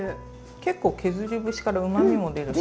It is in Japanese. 結構削り節からうまみも出るし。